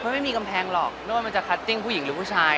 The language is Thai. ไม่มีกำแพงหรอกไม่ว่ามันจะคัตติ้งผู้หญิงหรือผู้ชาย